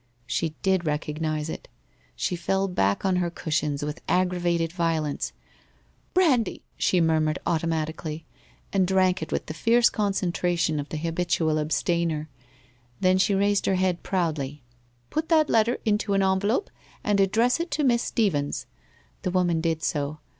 ' She did recognize it. She fell back on her cushions with aggravated violence. ' Brandy !' she murmured, au tomatically, and drank it with the fierce concentration of the habitual abstainer. Then she raised her head proudly. ' Put that letter into an envelope and address it to Miss Stephens.' The woman did so.